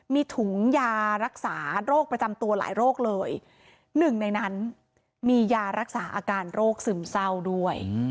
มีถุงยารักษาโรคประจำตัวหลายโรคเลยหนึ่งในนั้นมียารักษาอาการโรคซึมเศร้าด้วย